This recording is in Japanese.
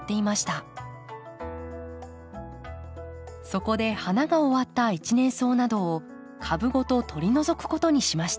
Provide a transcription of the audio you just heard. そこで花が終わった一年草などを株ごと取り除くことにしました。